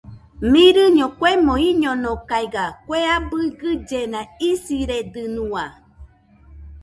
Mɨrɨño kuemo iñonokaiga kue abɨ gɨllena isiredɨnua.